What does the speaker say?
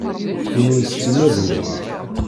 Kunwi s timmad-nwen.